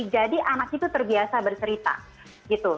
jadi anak itu terbiasa bercerita gitu